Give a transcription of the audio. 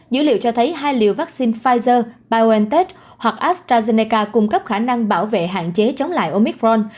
dữ liệu cho thấy hai liều vaccine pfizer biontech hoặc astrazeneca cung cấp khả năng bảo vệ hạn chế chống lại omicron